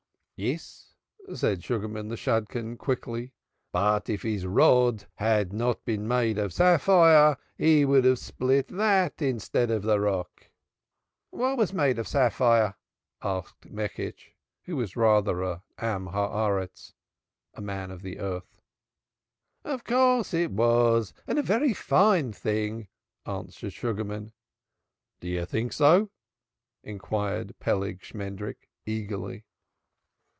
"Yes," said Sugarman the Shadchan, quickly; "but if his rod had not been made of sapphire he would have split that instead of the rock." "Was it made of sapphire?" asked Meckisch, who was rather a Man of the Earth. "Of course it was and a very fine thing, too," answered Sugarman. "Do you think so?" inquired Peleg Shmendrik eagerly.